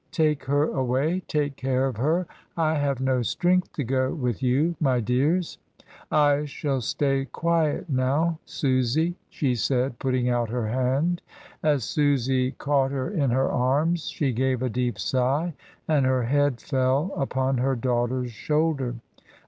Take her away; take care of her. I have no strength to go with you, my dears. I shall stay quiet now, Susy," she said, putting out her hand. As Susy caught her in her arms she gave a deep sigh, and her head fell upon her daughter's shoulder.